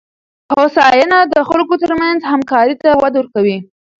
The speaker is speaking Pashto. هوساینه د خلکو ترمنځ همکارۍ ته وده ورکوي.